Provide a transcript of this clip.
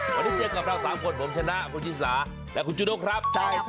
วันนี้เจอกับเรา๓คนผมชนะคุณชิสาและคุณจูด้งครับ